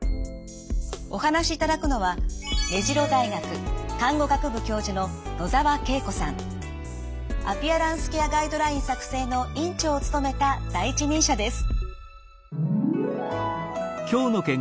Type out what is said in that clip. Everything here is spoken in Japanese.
お話しいただくのはアピアランスケアガイドライン作成の委員長を務めた第一人者です。